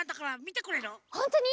ほんとに？